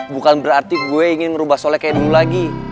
bukan berarti gue ingin merubah solek kayak dulu lagi